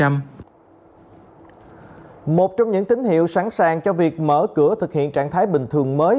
một trong những tín hiệu sẵn sàng cho việc mở cửa thực hiện trạng thái bình thường mới